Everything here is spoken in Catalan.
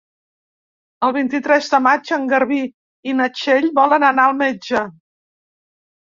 El vint-i-tres de maig en Garbí i na Txell volen anar al metge.